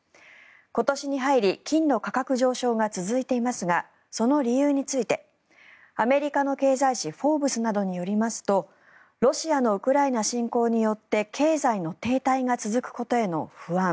今年に入り金の価格上昇が続いていますがその理由についてアメリカの経済誌「フォーブス」などによりますとロシアのウクライナ侵攻によって経済の停滞が続くことへの不安